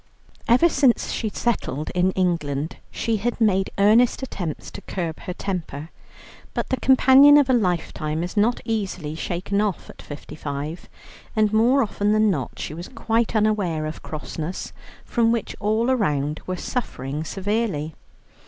Ever since she settled in England, she had made earnest attempts to curb her temper. But the companion of a lifetime is not easily shaken off at fifty five, and more often than not she was quite unaware of crossness, from which all around were suffering severely.